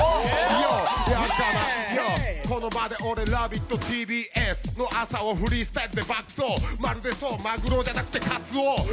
この場で俺「ラヴィット！」、ＴＢＳの朝をフリースタイルで爆走、まるでそうマグロじゃなくてかつお。